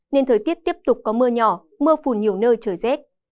nên thời tiết tiếp tục có mưa nhỏ mưa phùn nhiều nơi trời rét